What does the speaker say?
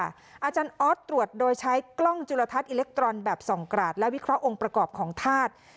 อาจารย์ออสตรวจโดยใช้กล้องจุลทัศอิเล็กทรอนแบบส่องกราดและวิเคราะห์องค์ประกอบของธาตุ